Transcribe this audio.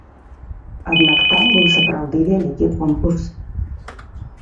Аднак там быў сапраўды вялікі конкурс.